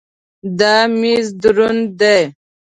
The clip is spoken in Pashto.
دا مېز دروند دی.